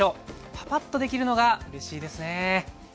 パパッとできるのがうれしいですね。